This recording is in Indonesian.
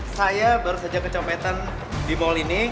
saya baru saja kecopetan di mall ini